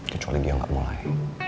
kecuali dia gak mulai